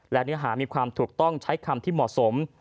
และเนื้อหามีความถูกต้องใช้คำที่เหมาะสม